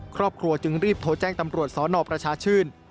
ครอบครัวจึงรีบโทรแจ้งตำรวจสนประชาชื่น